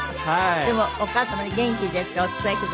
でもお母様に元気でってお伝えくださいね。